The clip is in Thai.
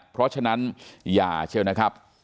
เพราะฉะนั้นอย่าเชียวนะครับ